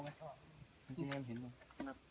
และที่สุดท้ายและที่สุดท้าย